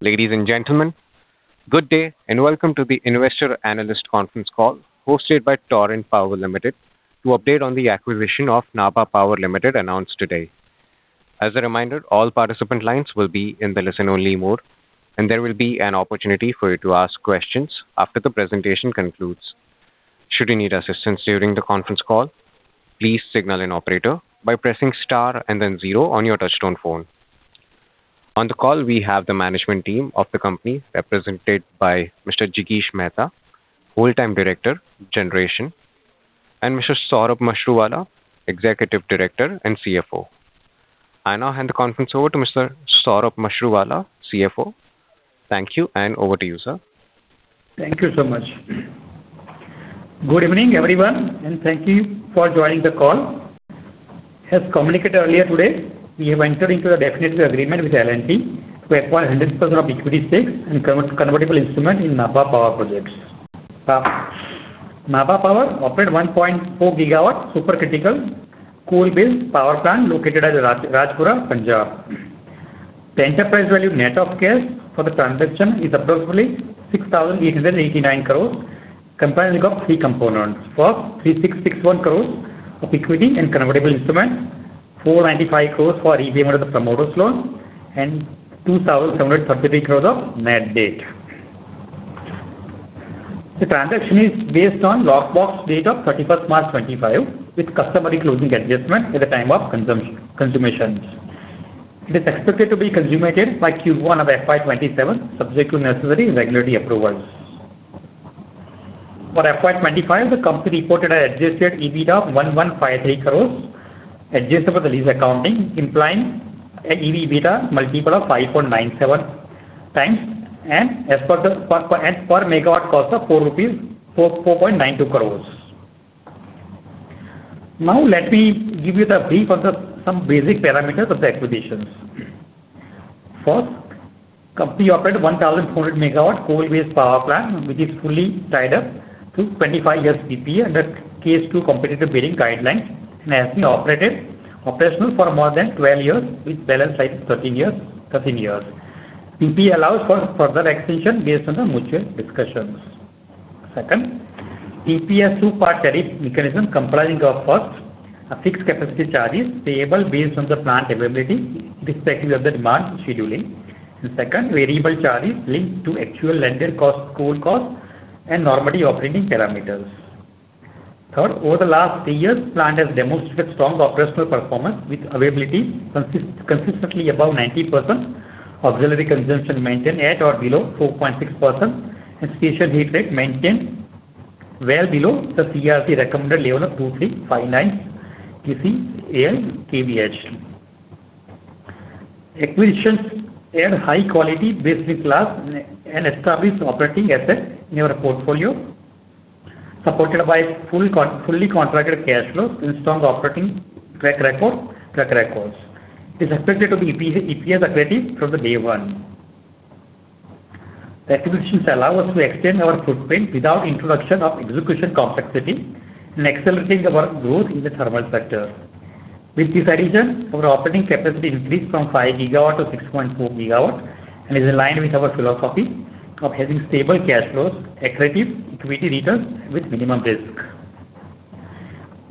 Ladies and gentlemen, good day, and welcome to the Investor Analyst Conference Call, hosted by Torrent Power Limited, to update on the acquisition of Nabha Power Limited, announced today. As a reminder, all participant lines will be in the listen-only mode, and there will be an opportunity for you to ask questions after the presentation concludes. Should you need assistance during the conference call, please signal an operator by pressing star and then zero on your touchtone phone. On the call, we have the management team of the company, represented by Mr. Jigish Mehta, Whole-time Director, Generation, and Mr. Saurabh Mashruwala, Executive Director and CFO. I now hand the conference over to Mr. Saurabh Mashruwala, CFO. Thank you, and over to you, sir. Thank you so much. Good evening, everyone, and thank you for joining the call. As communicated earlier today, we have entered into a definitive agreement with L&T to acquire 100% of equity stakes and convertible instruments in Nabha Power projects. Nabha Power operates 1.4 GW supercritical coal-based power plant located at Rajpura, Punjab. The enterprise value net of cash for the transaction is approximately 6,889 crore, comprising of three components. First, 3,661 crore of equity and convertible instruments, 495 crore for repayment of the promoter's loans, and 2,733 crore of net debt. The transaction is based on lock box date of 31 March 2025, with customary closing adjustments at the time of consummation. It is expected to be consummated by Q1 of FY 2027, subject to necessary regulatory approvals. For FY 2025, the company reported an adjusted EBITDA of 1,153 crore, adjusted for the lease accounting, implying an EV/EBITDA multiple of 5.97x, and as per the per megawatt cost of 4.92 crore. Now, let me give you the brief on the some basic parameters of the acquisition. First, company operates 1,400 MW coal-based power plant, which is fully tied up to 25 years PPA under Case 2 competitive bidding guidelines, and has been operational for more than 12 years, with balance life 13 years. PPA allows for further extension based on the mutual discussions. Second, PPA is two-part tariff mechanism, comprising of, first, a fixed capacity charges payable based on the plant availability, irrespective of the demand scheduling. The second, variable charges linked to actual landed cost, coal cost, and normative operating parameters. Third, over the last three years, plant has demonstrated strong operational performance, with availability consistently above 90%, auxiliary consumption maintained at or below 4.6%, and station heat rate maintained well below the CERC recommended level of 2.59 kcal/kWh. Acquisition adds high quality, best-in-class, and established operating assets in our portfolio, supported by fully contracted cash flows and strong operating track record. It's expected to be EPS accretive from day one. The acquisitions allow us to extend our footprint without introduction of execution complexity and accelerating our growth in the thermal sector. With this addition, our operating capacity has increased from 5 GW to 6.4 GW, and is aligned with our philosophy of having stable cash flows, accretive equity returns with minimum risk.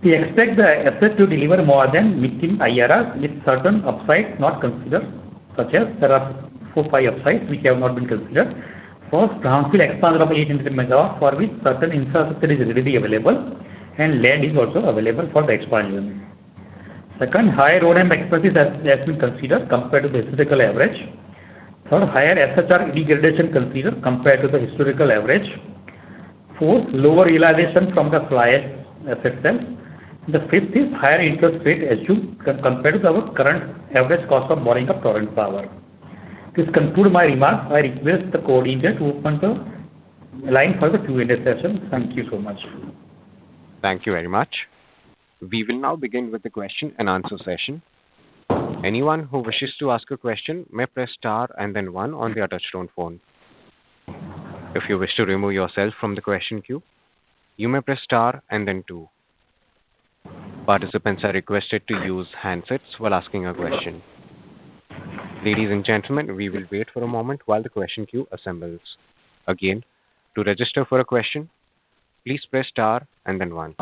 We expect the asset to deliver more than mid-teen IRRs, with certain upsides not considered, such as there are four, five upsides which have not been considered. First, further expansion of 800 MW, for which certain infrastructure is already available, and land is also available for the expansion. Second, higher O&M expenses has been considered compared to the historical average. Third, higher SHR degradation considered compared to the historical average. Fourth, lower realization from the fly ash assets. The fifth is higher interest rate assumed compared to our current average cost of borrowing of Torrent Power. This concludes my remarks. I request the coordinator to open the line for the Q&A session. Thank you so much. Thank you very much. We will now begin with the question and answer session. Anyone who wishes to ask a question may press star and then one on their touchtone phone. If you wish to remove yourself from the question queue, you may press star and then two. Participants are requested to use handsets while asking a question. Ladies and gentlemen, we will wait for a moment while the question queue assembles. Again, to register for a question, please press star and then one.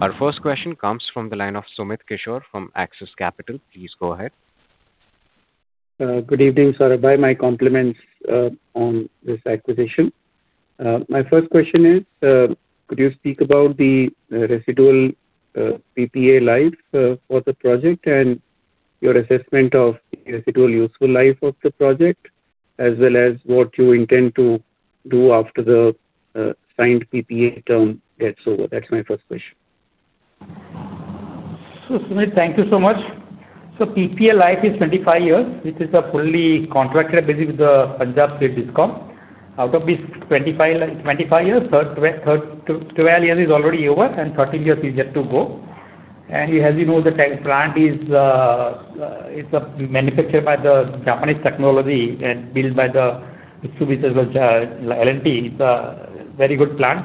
Our first question comes from the line of Sumit Kishore from Axis Capital. Please go ahead. Good evening, Saurabh. My compliments on this acquisition. My first question is, could you speak about the residual PPA life for the project, and your assessment of the residual useful life of the project, as well as what you intend to do after the signed PPA term gets over? That's my first question. So, Sumit, thank you so much. So PPA life is 25 years, which is a fully contracted basis with the Punjab State DISCOM. Out of this 25, 25 years, twelve years is already over, and 13 years is yet to go. And as you know, the plant is, it's, manufactured by the Japanese technology and built by the, which was, L&T. It's a very good plant...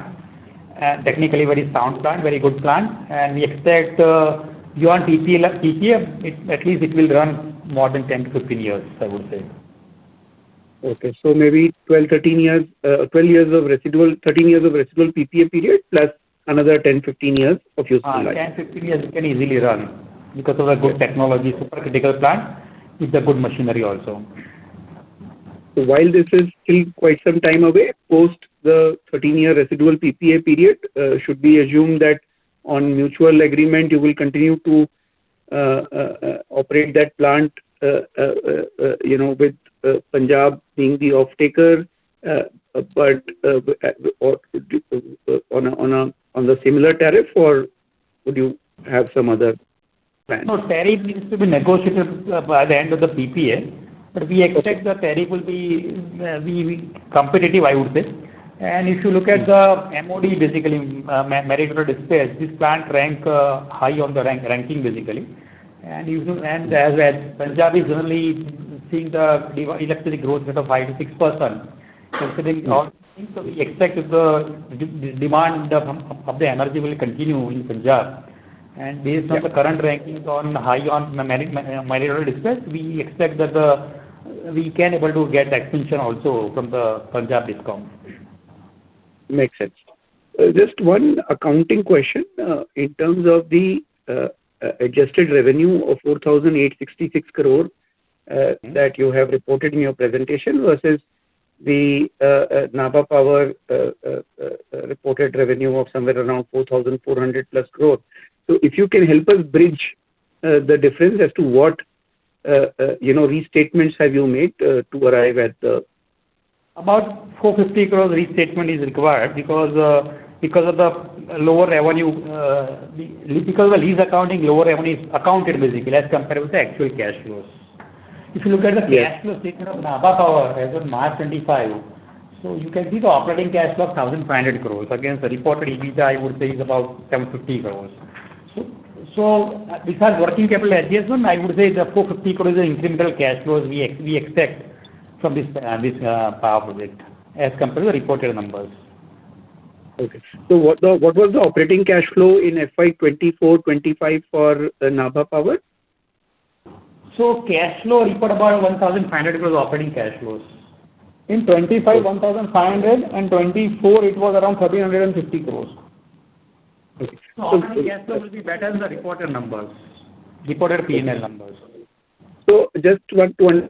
technically very sound plant, very good plant, and we expect, beyond PPL, PPA, it, at least it will run more than 10-15 years, I would say. Okay. So maybe 12-13 years, 12 years of residual, 13 years of residual PPA period, plus another 10-15 years of useful life. 10-15 years it can easily run because of the good technology, supercritical plant. It's a good machinery also. So while this is still quite some time away, post the 13-year residual PPA period, should we assume that on mutual agreement, you will continue to operate that plant, you know, with Punjab being the off-taker, but or on a on a on the similar tariff, or would you have some other plan? No, tariff needs to be negotiated by the end of the PPA. But we expect the tariff will be competitive, I would say. And if you look at the MOD, basically, merit order dispatch, this plant ranks high on the ranking, basically. And you know, and as well, Punjab is only seeing the electricity growth rate of 5%-6%. Considering all things, so we expect that the demand of the energy will continue in Punjab. And based on the current rankings high on merit order dispatch, we expect that we can able to get the expansion also from the Punjab discom. Makes sense. Just one accounting question. In terms of the adjusted revenue of 4,866 crore that you have reported in your presentation, versus the Nabha Power reported revenue of somewhere around 4,400+ crore. So if you can help us bridge the difference as to what you know restatements have you made to arrive at the- About 450 crore restatement is required because, because of the lower revenue, the-- because the lease accounting, lower revenue is accounted, basically, as compared with the actual cash flows. If you look at the cash flow statement of Nabha Power as of March 2025, so you can see the operating cash flow of 1,500 crore, against the reported EBITDA, I would say, is about 1,050 crore. So, without working capital adjustment, I would say the 450 crore is the incremental cash flows we expect from this power project, as compared to the reported numbers. Okay. So what was the operating cash flow in FY 2024-2025 for Nabha Power? So cash flow reported about 1,500 crore operating cash flows. In 2025, 1,524 it was around 1,350 crore. Okay. So operating cash flow will be better than the reported numbers, reported P&L numbers. So just one to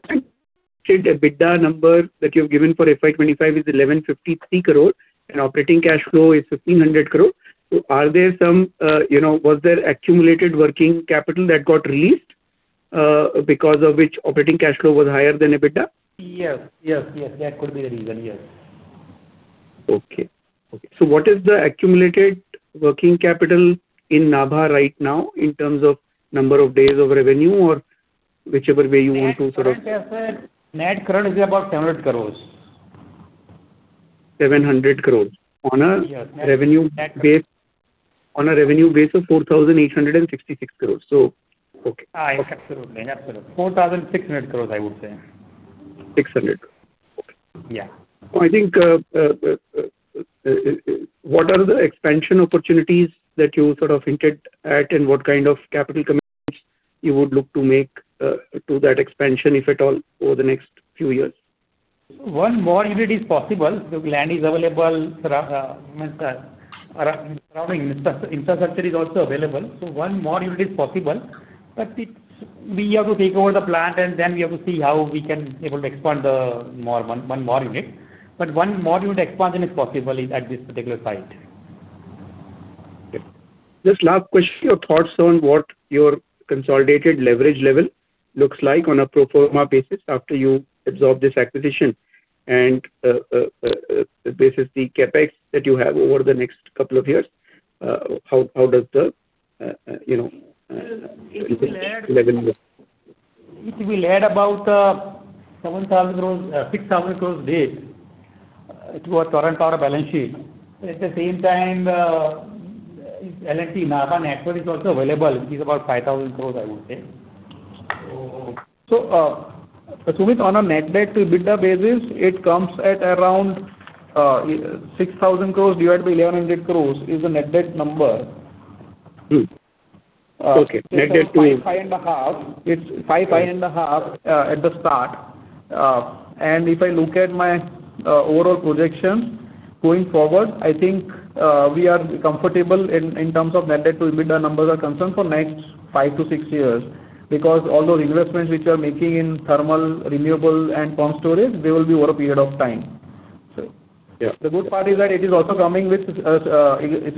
understand, the EBITDA number that you've given for FY 2025 is 1,153 crore, and operating cash flow is 1,500 crore. So are there some, you know, was there accumulated working capital that got released, because of which operating cash flow was higher than EBITDA? Yes. Yes, yes, that could be the reason. Yes. Okay. Okay. So what is the accumulated working capital in Nabha right now, in terms of number of days of revenue or whichever way you want to sort of- Net current, as said, net current is about 700 crore. 700 crore. Yes. -on a revenue base, on a revenue base of 4,866 crore. So, okay. Absolutely, absolutely. 4,600 crore, I would say. 600. Okay. Yeah. I think, what are the expansion opportunities that you sort of hinted at, and what kind of capital commitments you would look to make, to that expansion, if at all, over the next few years? One more unit is possible. The land is available around infrastructure. Infrastructure is also available, so one more unit is possible. But it's we have to take over the plant, and then we have to see how we can able to expand the more, one more unit. But one more unit expansion is possible at this particular site. Okay. Just last question, your thoughts on what your consolidated leverage level looks like on a pro forma basis after you absorb this acquisition, and basis the CapEx that you have over the next couple of years, how does the, you know, leverage look? It will add about 7,000 crore, 6,000 crore debt to our current power balance sheet. At the same time, NPL, Nabha net worth is also available. It is about 5,000 crore, I would say. So... Sumit, on a net debt to EBITDA basis, it comes at around 6,000 crore divided by 1,100 crore, is the net debt number. Okay, net debt to- It's five, 5.5. It's five, 5.5 at the start. And if I look at my overall projections going forward, I think we are comfortable in terms of net debt to EBITDA numbers are concerned for next five-six years. Because all those investments which we are making in thermal, renewable, and pump storage, they will be over a period of time. So- Yeah. The good part is that it is also coming with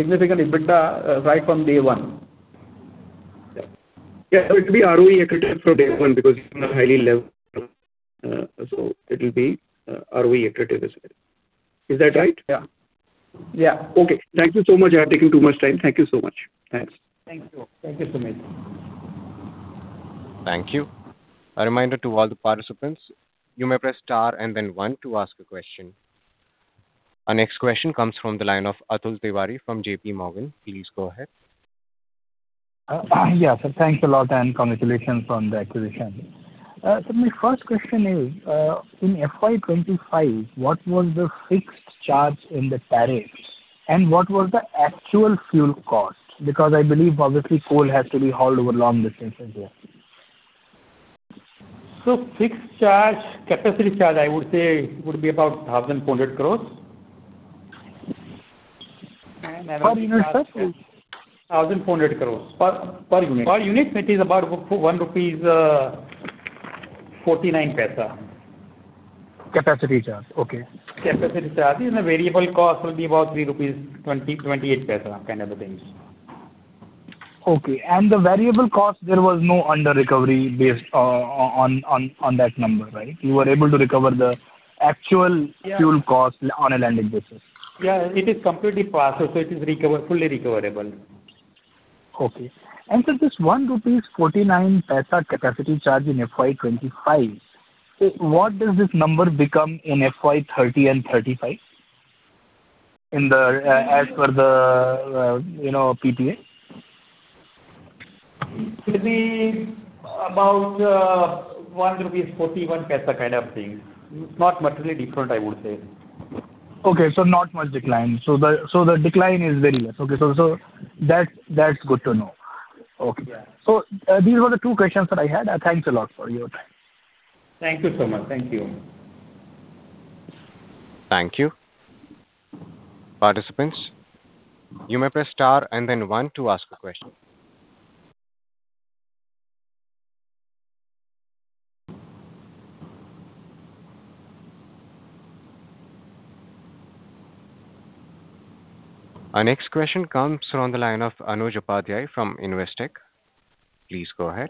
significant EBITDA, right from day one. Yeah. Yeah, so it will be ROE attractive from day one, because it's not highly level, so it will be ROE attractive as well. Is that right? Yeah. Yeah. Okay. Thank you so much. I have taken too much time. Thank you so much. Thanks. Thank you. Thank you, Sumit. Thank you. A reminder to all the participants, you may press star and then one to ask a question. Our next question comes from the line of Atul Tiwari from JPMorgan. Please go ahead. Yeah, so thanks a lot, and congratulations on the acquisition. So my first question is, in FY 2025, what was the fixed charge in the tariffs, and what was the actual fuel cost? Because I believe, obviously, coal has to be hauled over long distances here. So fixed charge, capacity charge, I would say, would be about 1,400 crore. Per unit, sir? 1,400 crore. Per unit. Per unit, it is about 1.49 rupees. Capacity charge. Okay. Capacity charge. And the variable cost will be about 3.28 rupees, kind of a thing. Okay. And the variable cost, there was no under recovery based on that number, right? You were able to recover the actual- Yeah. fuel cost on a landing basis. Yeah, it is completely passed, so it is recoverable- fully recoverable. Okay. So this 1.49 rupees capacity charge in FY 2025, so what does this number become in FY 2030 and 2035, in the, as per the, you know, PPA? It will be about, one rupees, forty-one paisa, kind of thing. Not materially different, I would say. Okay, so not much decline. So the decline is very less. Okay, so that's good to know. Okay. Yeah. So, these were the two questions that I had. Thanks a lot for your time. Thank you so much. Thank you. Thank you. Participants, you may press Star and then one to ask a question. Our next question comes on the line of Anuj Upadhyay from Investec. Please go ahead.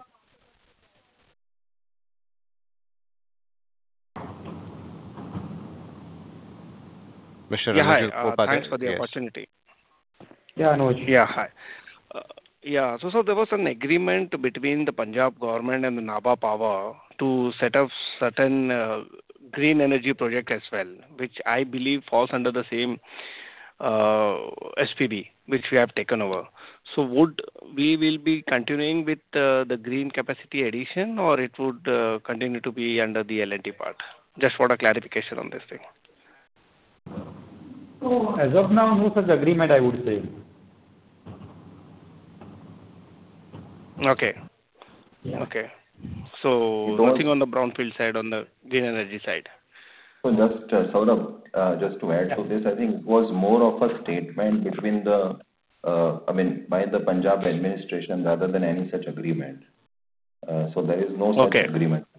Mr. Anuj Upadhyay Yeah, hi. Thanks for the opportunity. Yeah, Anuj. Yeah, hi. Yeah, so, so there was an agreement between the Punjab government and the Nabha Power to set up certain, green energy projects as well, which I believe falls under the same, SPV, which we have taken over. So would... We will be continuing with the, the green capacity addition, or it would, continue to be under the L&T part? Just for a clarification on this thing. As of now, no such agreement, I would say. Okay. Yeah. Okay. So nothing on the brown field side, on the green energy side. So just, sort of, just to add to this, I think it was more of a statement between the, I mean, by the Punjab administration, rather than any such agreement. So there is no such agreement. Okay.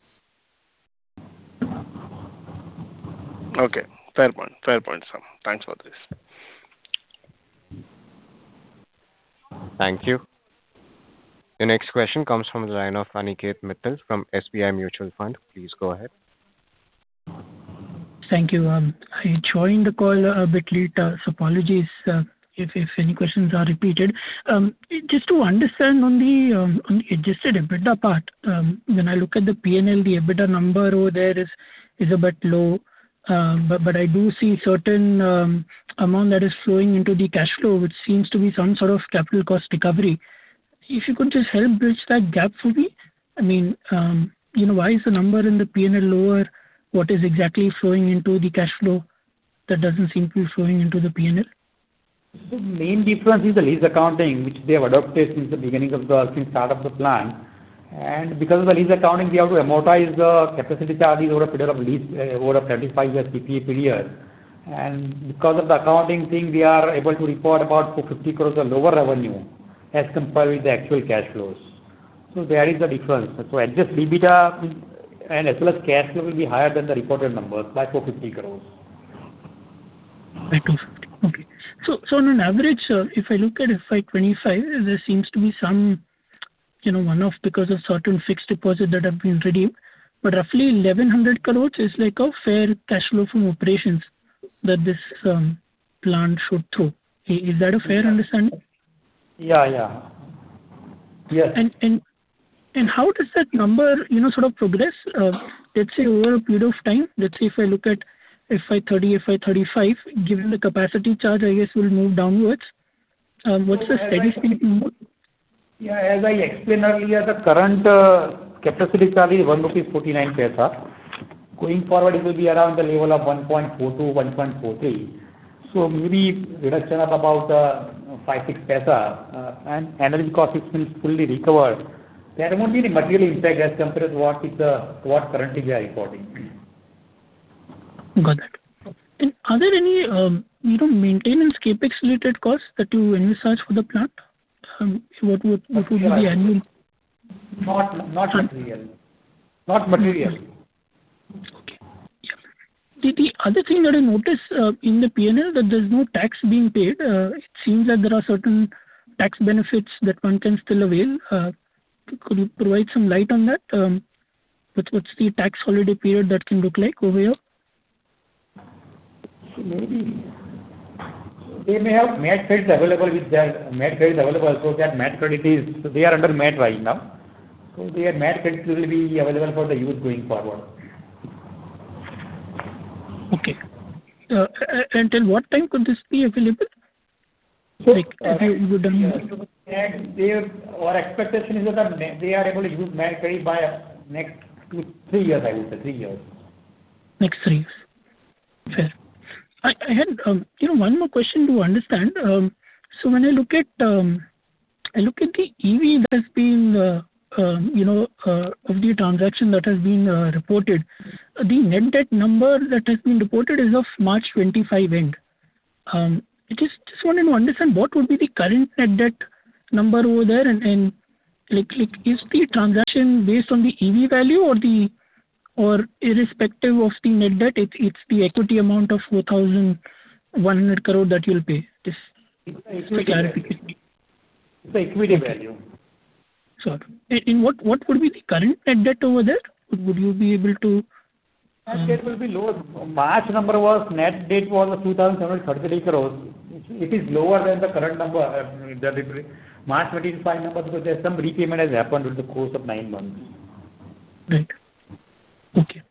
Okay, fair point. Fair point, sir. Thanks for this. Thank you. The next question comes from the line of Aniket Mittal from SBI Mutual Fund. Please go ahead. Thank you. I joined the call a bit late, so apologies, if any questions are repeated. Just to understand on the, on the adjusted EBITDA part, when I look at the P&L, the EBITDA number over there is a bit low. But I do see certain amount that is flowing into the cash flow, which seems to be some sort of capital cost recovery. If you could just help bridge that gap for me. I mean, you know, why is the number in the P&L lower? What is exactly flowing into the cash flow that doesn't seem to be flowing into the P&L? The main difference is the lease accounting, which they have adopted since the start of the plant. Because of the lease accounting, we have to amortize the capacity charges over a period of lease, over a 25-year PPA period. Because of the accounting thing, we are able to report about 450 crore of lower revenue as compared with the actual cash flows. There is a difference. Adjusted EBITDA and as well as cash flow will be higher than the reported numbers by 450 crore. By 250, okay. So on an average, if I look at FY 2025, there seems to be some, you know, one-off because of certain fixed deposits that have been redeemed. But roughly 1,100 crore is like a fair cash flow from operations that this plant should throw. Is that a fair understanding? Yeah, yeah. Yes. How does that number, you know, sort of progress, let's say, over a period of time? Let's say if I look at FY 2030, FY 2035, given the capacity charge, I guess, will move downwards. What's the steady state view? Yeah, as I explained earlier, the current capacity charge is 1.49 rupees. Going forward, it will be around the level of 1.42-1.43. So maybe reduction of about 5-6 paisa, and energy cost, which means fully recovered. There won't be any material impact as compared to what is, what currently we are reporting. Got it. And are there any, you know, maintenance CapEx related costs that you envisage for the plant? What would be the annual- Not, not materially. Not materially. Okay. Yeah. The other thing that I noticed in the P&L, that there's no tax being paid. It seems that there are certain tax benefits that one can still avail. Could you provide some light on that? What's the tax holiday period that can look like over here? So maybe... They may have MAT credits available. So if they have MAT credits, they are under MAT right now. So their MAT credits will be available for the use going forward. Okay. And till what time could this be available? Like, if you would tell me. Our expectation is that they are able to use MAT credit by next two, three years, I would say three years. Next three years. Fair. I had, you know, one more question to understand. So when I look at, I look at the EV that's been, you know, of the transaction that has been reported, the net debt number that has been reported is of March 2025 end. I just wanted to understand, what would be the current net debt number over there, and, like, is the transaction based on the EV value or the, or irrespective of the net debt, it's the equity amount of 4,100 crore that you'll pay? Just for clarification. The equity value. Sorry. And what would be the current net debt over there? Would you be able to? Net debt will be lower. March number was, net debt was INR 2,738 crore. It is lower than the current number, deliberately. March 2025 numbers, because there's some repayment has happened over the course of nine months. Right. Okay.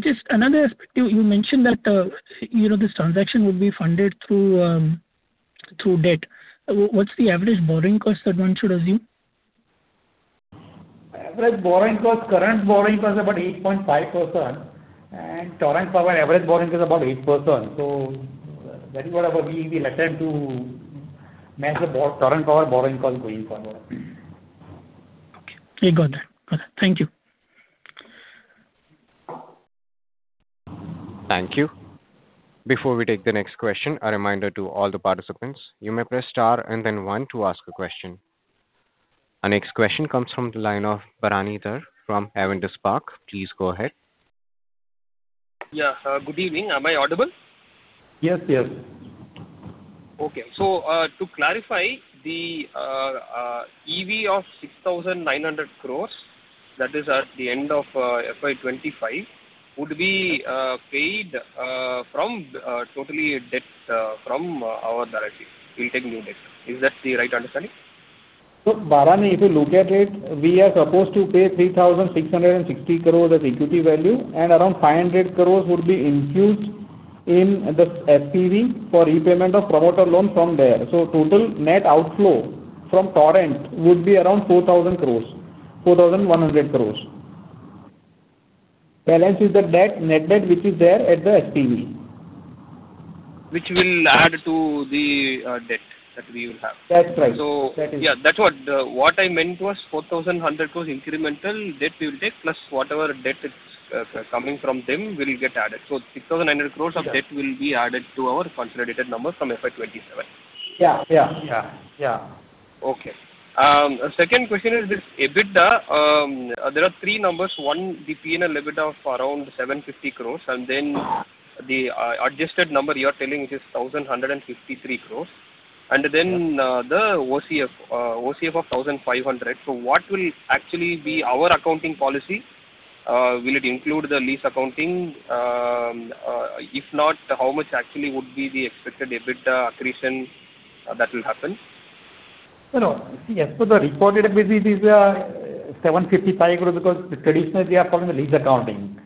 Just another aspect, you, you mentioned that, you know, this transaction would be funded through, through debt. What's the average borrowing cost that one should assume? Average borrowing cost, current borrowing cost is about 8.5%, and Torrent Power average borrowing cost is about 8%. So that is what we look to manage the borrowing Torrent Power borrowing cost going forward. Okay. We got that. Got it. Thank you. Thank you. Before we take the next question, a reminder to all the participants, you may press Star and then One to ask a question. Our next question comes from the line of Bharanidhar from Avendus Spark. Please go ahead. Yeah, good evening. Am I audible? Yes, yes. Okay. So, to clarify, the EV of 6,900 crore, that is at the end of FY 2025, would be paid from totally debt from our director. We'll take new debt. Is that the right understanding? Bharani, if you look at it, we are supposed to pay 3,660 crores as equity value, and around 500 crore would be infused in the SPV for repayment of promoter loan from there. Total net outflow from Torrent would be around 4,000 crore-4,100 crore. Balance is the debt, net debt, which is there at the SPV. Which will add to the debt that we will have. That's right. So- That is. Yeah, that's what. What I meant was 4,100 crore incremental debt we will take, plus whatever debt is coming from them will get added. So 6,900 crore. Yeah. of debt will be added to our consolidated numbers from FY 2027. Yeah, yeah. Yeah. Yeah. Okay. Second question is this, EBITDA, there are three numbers, 1, the P&L EBITDA of around 750 crore, and then the adjusted number you are telling it is 1,153 crore, and then the OCF, OCF of 1,500. So what will actually be our accounting policy? Will it include the lease accounting? If not, how much actually would be the expected EBITDA accretion that will happen? No, no. See, as per the reported EBITDA, it is, 755 crores, because traditionally, we are following the lease accounting.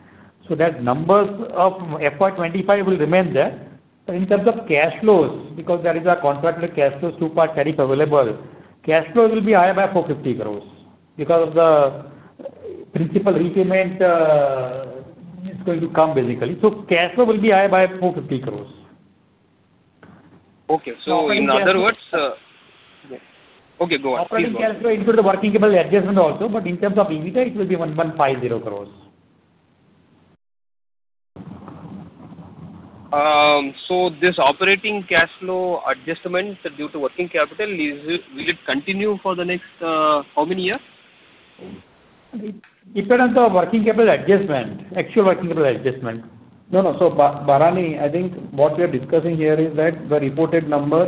So that numbers of FY 2025 will remain there. But in terms of cash flows, because there is a contract with cash flows, two-part tariff available, cash flows will be higher by 450 crores, because of the principal repayment, is going to come, basically. So cash flow will be higher by 450 crores. Okay. Operating cash flow. So in other words, okay, go on. Please go on. Operating cash flow include the working capital adjustment also, but in terms of EBITDA, it will be 1,150 crore. So, this operating cash flow adjustment due to working capital, is it, will it continue for the next, how many years? It is under working capital adjustment, actual working capital adjustment. No, no, so Bharani, I think what we are discussing here is that the reported number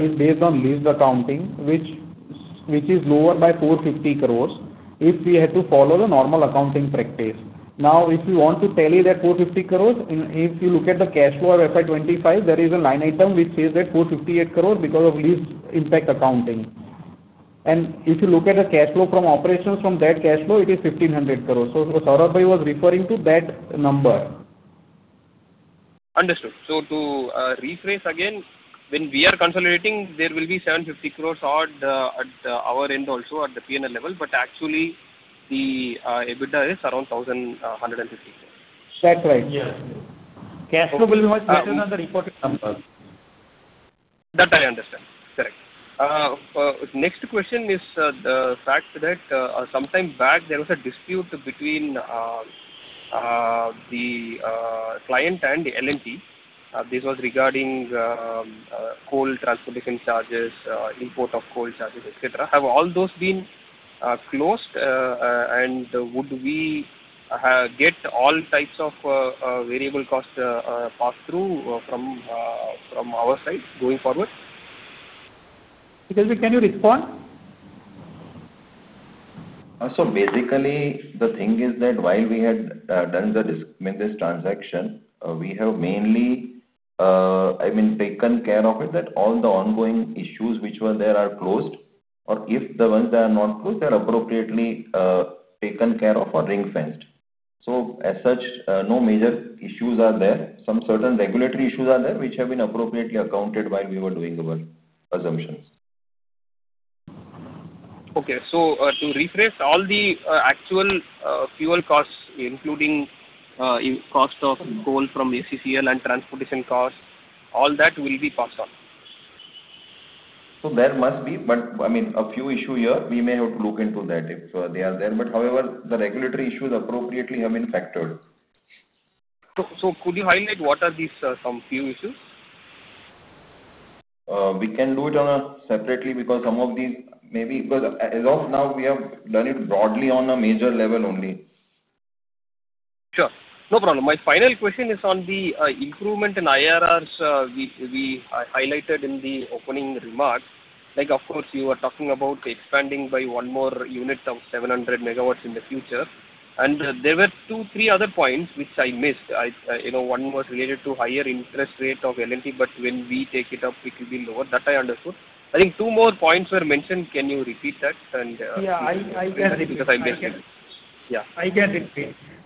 is based on lease accounting, which is lower by 450 crore, if we had to follow the normal accounting practice. Now, if you want to tally that 450 crore, if you look at the cash flow of FY 2025, there is a line item which says that 458 crore because of lease impact accounting. And if you look at the cash flow from operations from that cash flow, it is 1,500 crore. So Saurabh bhai was referring to that number. Understood. So, to rephrase again, when we are consolidating, there will be 750 crore odd at our end also, at the P&L level, but actually the EBITDA is around 1,150 crore. That's right. Yes. Cash flow will be much better than the reported number. That I understand. Correct. Next question is, the fact that, sometime back, there was a dispute between the client and the NPL. This was regarding, coal transportation charges, import of coal charges, et cetera. Have all those been closed? And would we get all types of variable cost pass-through from our side going forward? Jigish, can you respond? So basically, the thing is that while we had done, I mean, this transaction, we have mainly- I mean, taken care of it, that all the ongoing issues which were there are closed, or if the ones that are not closed, they are appropriately, taken care of or ring-fenced. So as such, no major issues are there. Some certain regulatory issues are there, which have been appropriately accounted while we were doing our assumptions. Okay. So, to rephrase, all the actual fuel costs, including cost of coal from SECL and transportation costs, all that will be passed on? There must be, but, I mean, a few issues here, we may have to look into that if they are there. But however, the regulatory issues appropriately have been factored. So, could you highlight what are these some few issues? We can do it on a separately, because some of these maybe... Because as of now, we have done it broadly on a major level only. Sure. No problem. My final question is on the improvement in IRRs we highlighted in the opening remarks. Like, of course, you were talking about expanding by one more unit of 700 MW in the future. And there were two, three other points which I missed. I, you know, one was related to higher interest rate of L&T, but when we take it up, it will be lower. That I understood. I think two more points were mentioned. Can you repeat that? And- Yeah, I get it. because I missed it. Yeah. I get it.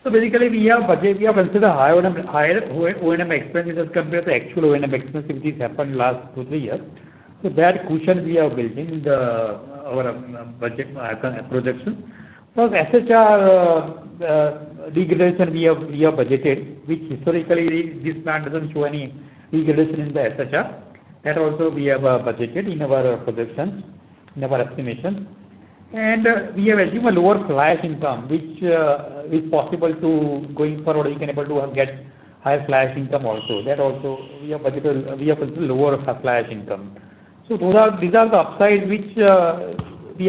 So basically, we have budget, we have considered a higher O&M, higher O&M expense as compared to actual O&M expense, which has happened last 2-3 years. So that cushion we are building the our budget allocation projection. So SHR degradation, we have budgeted, which historically, this plant doesn't show any degradation in the SHR. That also we have budgeted in our projections, in our estimations. And we have assumed a lower fly ash income, which is possible to going forward, we can able to get higher fly ash income also. That also, we have budgeted, we have considered lower fly ash income. So those are, these are the upside, which we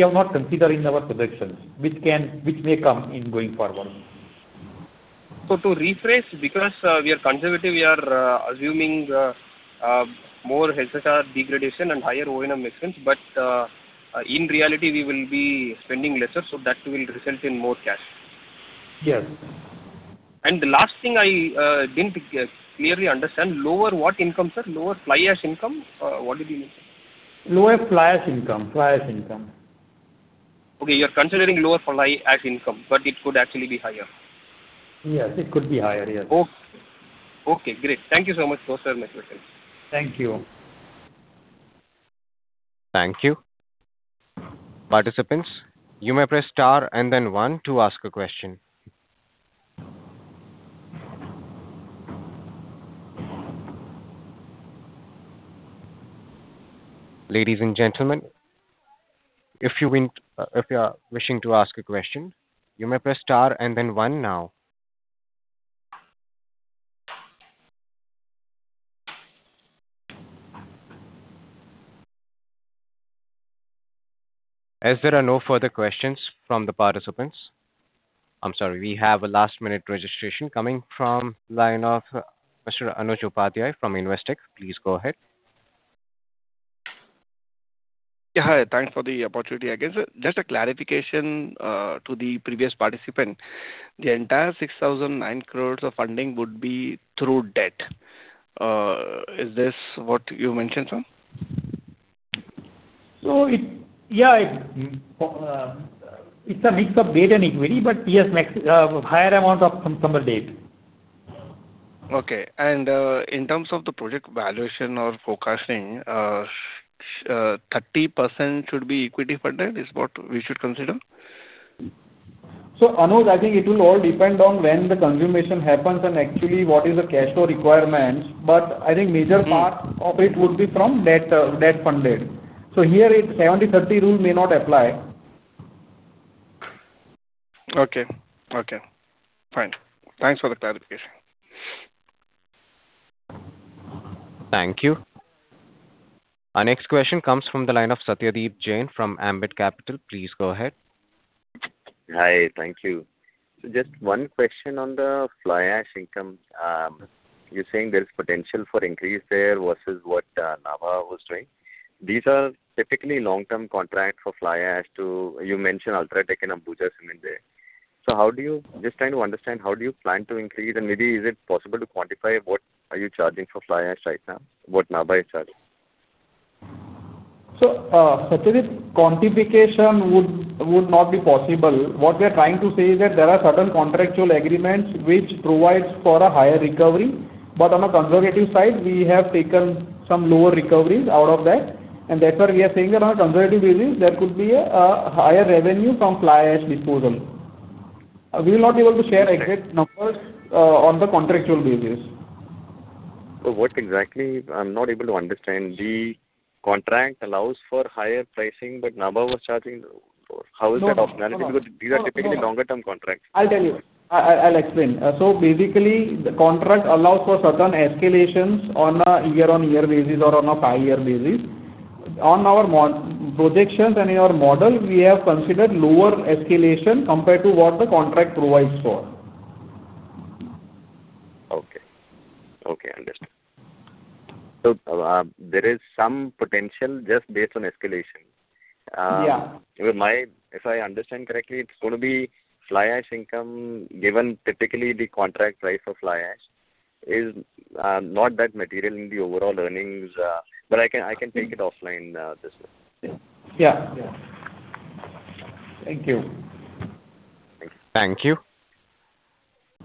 have not considered in our projections, which can, which may come in going forward. So, to rephrase, because we are conservative, we are assuming more SHR degradation and higher O&M expense, but in reality, we will be spending lesser, so that will result in more cash. Yes. The last thing I didn't clearly understand, lower what income, sir? Lower Fly Ash income? What did you mean? Lower Fly Ash income. Fly Ash income. Okay, you're considering lower fly ash income, but it could actually be higher. Yes, it could be higher, yes. Okay, great. Thank you so much for answering my question. Thank you. Thank you. Participants, you may press star and then one to ask a question. Ladies and gentlemen, if you want... if you are wishing to ask a question, you may press star and then one now. As there are no further questions from the participants... I'm sorry, we have a last-minute registration coming from line of Mr. Anuj Upadhyay from Investec. Please go ahead. Yeah, hi. Thanks for the opportunity again. Just a clarification to the previous participant. The entire 6,009 crore of funding would be through debt. Is this what you mentioned, sir? So, yeah, it's a mix of debt and equity, but yes, max higher amount from the debt. Okay. And, in terms of the project valuation or forecasting, 30% should be equity funded, is what we should consider? Anuj, I think it will all depend on when the consummation happens and actually what is the cash flow requirements, but I think major part- Mm. of it would be from debt, debt funded. So here, it, 70/30 rule may not apply. Okay. Okay. Fine. Thanks for the clarification. Thank you. Our next question comes from the line of Satyadeep Jain from Ambit Capital. Please go ahead. Hi, thank you. So just one question on the fly ash income. You're saying there is potential for increase there versus what Nabha was doing. These are typically long-term contracts for fly ash to, you mentioned UltraTech and Ambuja Cement there. So how do you. Just trying to understand, how do you plan to increase it? And maybe is it possible to quantify what are you charging for fly ash right now? What Nabha is charging? So, Satyadeep, quantification would not be possible. What we are trying to say is that there are certain contractual agreements which provides for a higher recovery, but on a conservative side, we have taken some lower recoveries out of that, and that's why we are saying that on a conservative basis, there could be a higher revenue from fly ash disposal. We will not be able to share exact numbers on the contractual basis. So what exactly? I'm not able to understand. The contract allows for higher pricing, but Nabha was charging for. No, no, no. How is that optionality? Because these are typically longer-term contracts. I'll tell you. I'll explain. So basically, the contract allows for certain escalations on a year-on-year basis or on a five-year basis. On our MOD projections and in our model, we have considered lower escalation compared to what the contract provides for. Okay. Okay, understood. So, there is some potential just based on escalation? Yeah. If I understand correctly, it's going to be fly ash income, given typically the contract price for fly ash is not that material in the overall earnings, but I can, I can take it offline this way. Yeah, yeah. Thank you. Thanks. Thank you.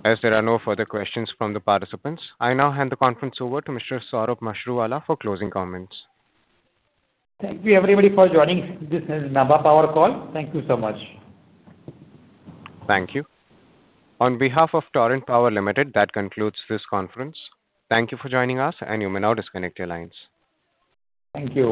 As there are no further questions from the participants, I now hand the conference over to Mr. Saurabh Mashruwala for closing comments. Thank you, everybody, for joining this Nabha Power call. Thank you so much. Thank you. On behalf of Torrent Power Limited, that concludes this conference. Thank you for joining us, and you may now disconnect your lines. Thank you.